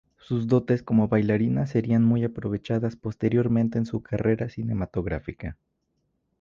Sus dotes como bailarina serían muy aprovechadas posteriormente en su carrera cinematográfica.